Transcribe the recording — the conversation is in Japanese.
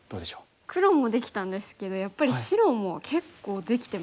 黒もできたんですけどやっぱり白も結構できてますよね。